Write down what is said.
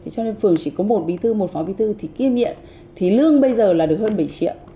cho nên phường chỉ có một bí thư một phó bí thư thì kiêm nhiệm thì lương bây giờ là được hơn bảy triệu